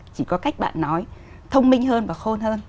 chỉ có cách bạn nói thông minh hơn và khôn hơn